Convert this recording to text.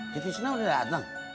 titisnya udah dateng